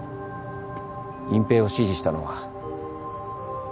隠蔽を指示したのは？